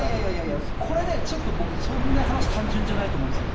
これね、ちょっと僕、そんな話、単純じゃないと思うんですよ。